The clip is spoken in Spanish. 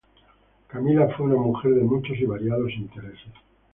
Camila fue una mujer de muchos y variados intereses.